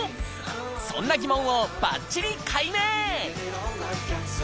そんな疑問をばっちり解明！